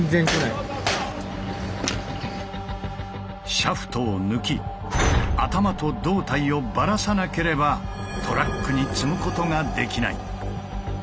シャフトを抜き頭と胴体をバラさなければトラックに積むことができない。